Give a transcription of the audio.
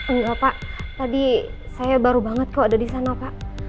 enggak pak tadi saya baru banget kok ada di sana pak